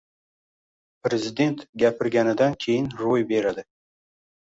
prezident gapirganidan keyin ro‘y beradi.